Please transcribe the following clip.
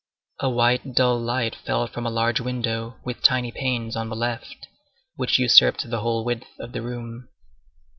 A white, dull light fell from a large window, with tiny panes, on the left, which usurped the whole width of the room.